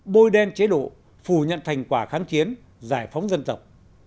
bôi đen chế độ phủ nhận thành quả kháng chiến giải phóng dân tộc